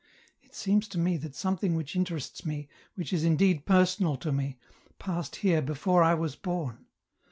It seems to me that something which interests me, which is indeed personal to me, passed here before I was born.